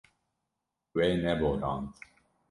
We neborand.